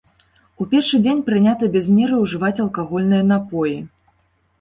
У першы дзень прынята без меры ўжываць алкагольныя напоі.